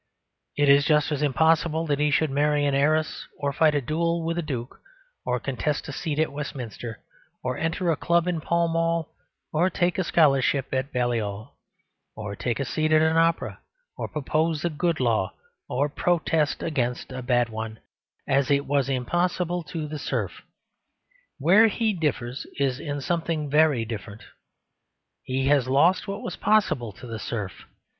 It is just as impossible that he should marry an heiress, or fight a duel with a duke, or contest a seat at Westminster, or enter a club in Pall Mall, or take a scholarship at Balliol, or take a seat at an opera, or propose a good law, or protest against a bad one, as it was impossible to the serf. Where he differs is in something very different. He has lost what was possible to the serf.